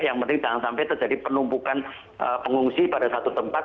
yang penting jangan sampai terjadi penumpukan pengungsi pada satu tempat